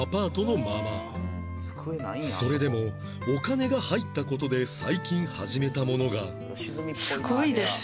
それでもお金が入った事で最近始めたものが